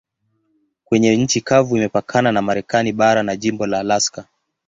Kwenye nchi kavu imepakana na Marekani bara na jimbo la Alaska.